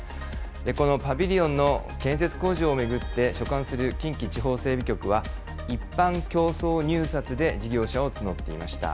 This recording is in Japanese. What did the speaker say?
このパビリオンの建設工事を巡って、所管する近畿地方整備局は、一般競争入札で事業者を募っていまし